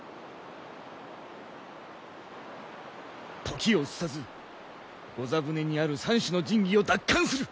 時を移さず御座船にある三種の神器を奪還する！